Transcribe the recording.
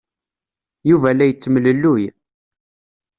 Yuba la yettemlelluy.